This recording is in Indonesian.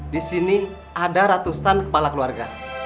disini ada ratusan kepala keluarga